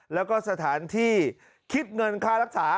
แล้วก็สถานที่คิดเงินค่ารักษา